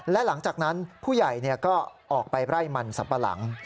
และหลังจากนั้นผู้ใหญ่ก็ออกไปไร่มันสัมปะหลัง